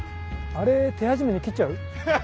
あれ手始めに切っちゃう？